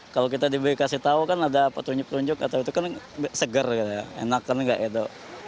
kalau kita diberi kasih tau kan ada petunjuk petunjuk atau itu kan seger gitu ya enak kan gak itu